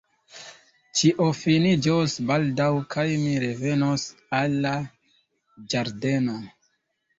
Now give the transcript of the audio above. Ĉio finiĝos baldaŭ kaj mi revenos al la Ĝardeno.